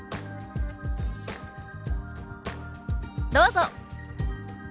どうぞ。